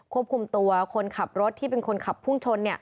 ควบคุมตัวคนขับรถที่เป็นคนขับพุ่งชน